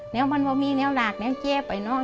แล้วมันไม่มีแล้วหลากแล้วเจ็บไปเนอะ